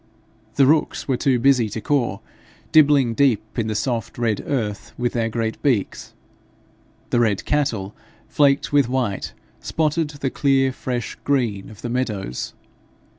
The rooks were too busy to caw, dibbling deep in the soft red earth with their great beaks. The red cattle, flaked with white, spotted the clear fresh green of the meadows.